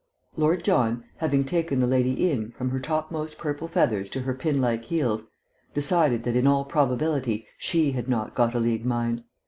Lord John, having taken the lady in, from her topmost purple feathers to her pin like heels, decided that, in all probability, she had not got a League mind.